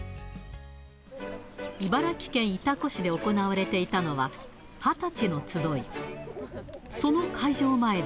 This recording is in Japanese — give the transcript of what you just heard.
茨城県潮来市で行われていたのは、二十歳のつどい。